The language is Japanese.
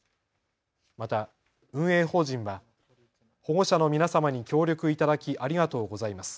また運営法人は保護者の皆様に協力いただきありがとうございます。